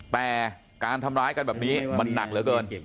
แต่การทำร้ายกันแบบนี้มันหนักเหลือเกิน